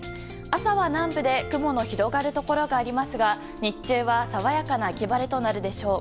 朝は南部で雲の広がるところがありますが日中は爽やかな秋晴れとなるでしょう。